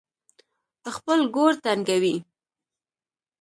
خپل ګور تنګوي.